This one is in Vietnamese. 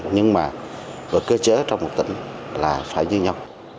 nhưng mà cơ chế trong một tỉnh là phải như nhau